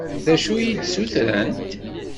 D acu i yi-d-ssutrent?